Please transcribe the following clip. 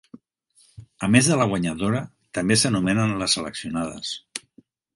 A més de la guanyadora, també s'anomenen les seleccionades.